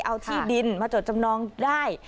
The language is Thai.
เอาที่ดินมาจดจำนองได้